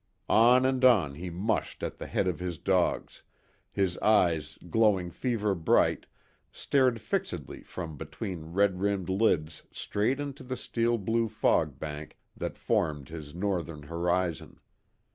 On and on he mushed at the head of his dogs, his eyes, glowing feverbright, stared fixedly from between red rimmed lids straight into the steel blue fog bank that formed his northern horizon.